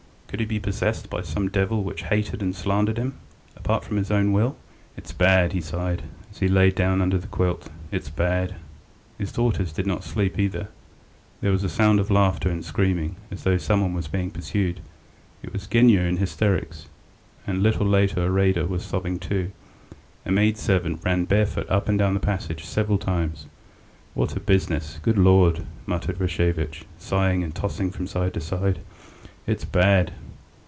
Could he be possessed by some devil which hated and slandered in him, apart from his own will? "It's bad," he sighed, as he lay down under the quilt. "It's bad." His daughters did not sleep either. There was a sound of laughter and screaming, as though someone was being pursued; it was Genya in hysterics. A little later Iraida was sobbing too. A maidservant ran barefoot up and down the passage several times. ... "What a business! Good Lord! ..." muttered Rashevitch, sighing and tossing from side to side. "It's bad."